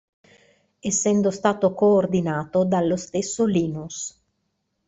Essendo stato coordinato dallo stesso Linus.